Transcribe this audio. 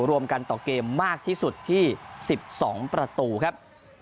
รวมกันต่อเกมมากที่สุดที่๑๒ประตูครับ